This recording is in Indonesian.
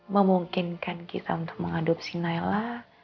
memungkinkan kita untuk mengadopsi naila